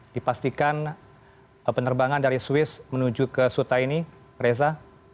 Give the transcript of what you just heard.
dipastikan penerbangan dari swiss menuju ke suta ini reza